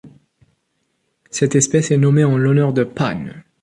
Cette espèce est nommée en l'honneur de Pan.